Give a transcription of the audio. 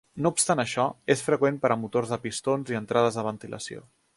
No obstant això, és freqüent per a motors de pistons i entrades de ventilació.